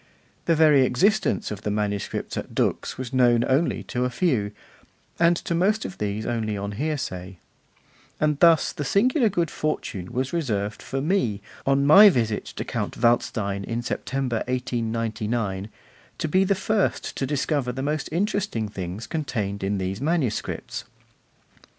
The very existence of the manuscripts at Dux was known only to a few, and to most of these only on hearsay; and thus the singular good fortune was reserved for me, on my visit to Count Waldstein in September 1899, to be the first to discover the most interesting things contained in these manuscripts.